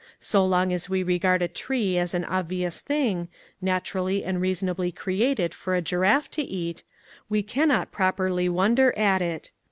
So long as we regard a tree as an obvious thing, naturally and reasonably created for a giraffe to eat, we cannot properly wonder at it.